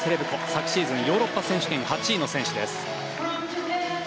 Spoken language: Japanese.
昨シーズン、ヨーロッパ選手権８位の選手です。